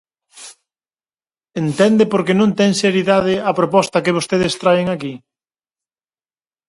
¿Entende por que non ten seriedade a proposta que vostedes traen aquí?